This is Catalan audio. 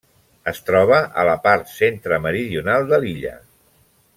Es troba a la part centre-meridional de l'illa.